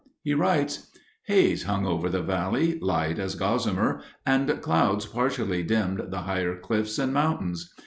He writes: Haze hung over the valley—light as gossamer—and clouds partially dimmed the higher cliffs and mountains.